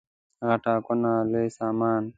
غټه کونه لوی سامان.